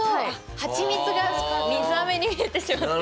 ハチミツが水あめに見えてしまって。